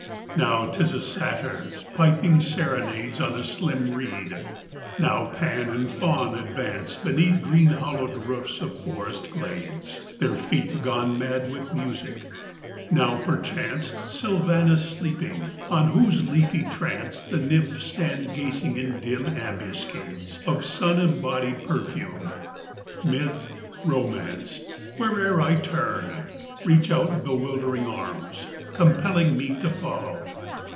IV Now 'tis a Satyr piping serenades On a slim reed. Now Pan and Faun advance Beneath green hollowed roofs of forest glades, Their feet gone mad with music: now, perchance, Sylvanus sleeping, on whose leafy trance The Nymphs stand gazing in dim ambuscades Of sun embodied perfume. Myth, Romance, Where'er I turn, reach out bewildering arms, Compelling me to follow.